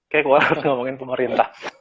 kayak kualet ngomongin pemerintah